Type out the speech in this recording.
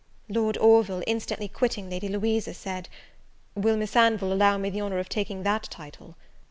Lord Orville, instantly quitting Lady Louisa, said, "Will Miss Anville allow me the honour of taking that title?"